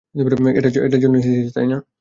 এটার জন্যই তো এসেছিস, তাই না?